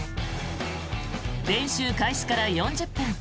練習開始から４０分。